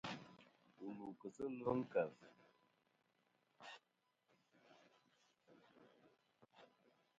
Wù lu kɨ sɨ ɨlvɨ ɨ nkèf.